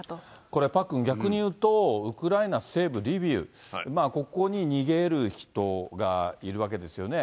これ、パックン、逆に言うと、ウクライナ西部リビウ、ここに逃げる人がいるわけですよね。